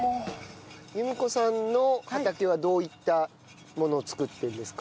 由美子さんの畑はどういったものを作ってるんですか？